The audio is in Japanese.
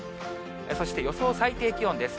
そして予想最低気温です。